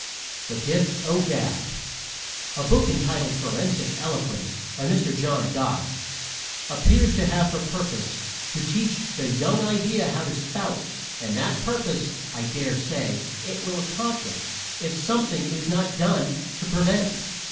THE GIFT O' GAB A book entitled Forensic Eloquence, by Mr. John Goss, appears to have for purpose to teach the young idea how to spout, and that purpose, I dare say, it will accomplish if something is not done to prevent.